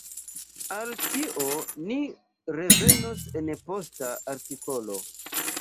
Al tio ni revenos en posta artikolo.